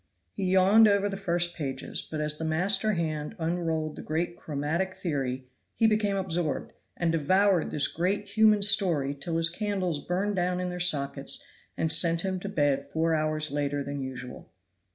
He yawned over the first pages, but as the master hand unrolled the great chromatic theory, he became absorbed, and devoured this great human story till his candles burned down in their sockets and sent him to bed four hours later than usual.